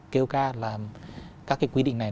kêu ca là các cái quy định này